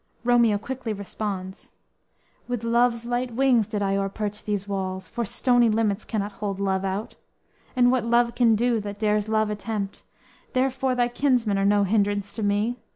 "_ Romeo quickly responds: _"With love's light wings did I o'erperch these walls; For stony limits cannot hold love out; And what love can do, that dares love attempt, Therefore thy kinsmen are no hindrance to me!